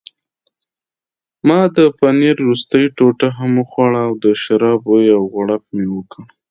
ما د پنیر وروستۍ ټوټه هم وخوړه او د شرابو یو غوړپ مې وکړ.